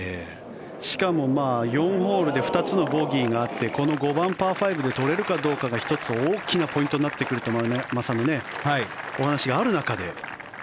しかも、４ホールで２つのボギーがあってこの５番、パー５で取れるかどうかが１つ大きなポイントになってくるという丸山さんのお話がある中で。